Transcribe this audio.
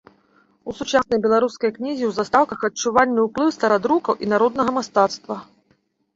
У сучаснай беларускай кнізе ў застаўках адчувальны уплыў старадрукаў і народнага мастацтва.